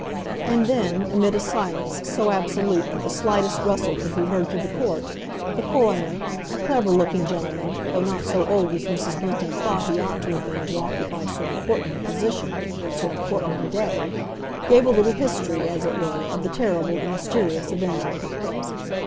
And then, amid a silence so absolute that the slightest rustle could be heard through the court, the coroner—a clever looking gentleman, though not so old as Mrs. Bunting thought he ought to have been to occupy so important a position on so important a day—gave a little history, as it were, of the terrible and mysterious Avenger crimes.